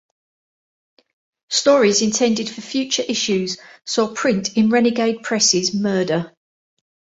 Stories intended for future issues saw print in Renegade Press's "Murder".